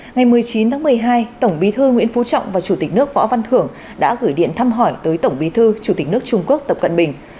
ngày một mươi chín tháng một mươi hai tổng bí thư nguyễn phú trọng và chủ tịch nước võ văn thưởng đã gửi điện thăm hỏi tới tổng bí thư chủ tịch nước trung quốc tập cận bình